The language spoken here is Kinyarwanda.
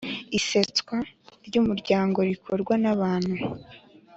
Iseswa ry umuryango rikorwa n abantu